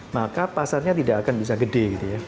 maka pasarnya tidak akan bisa gede